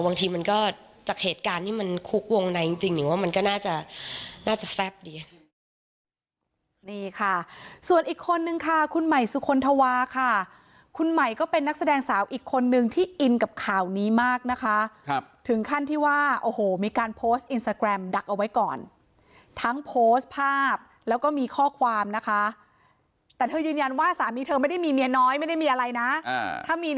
บางทีมันก็จากเหตุการณ์ที่มันคุกวงในจริงนิ่งว่ามันก็น่าจะแซ่บดี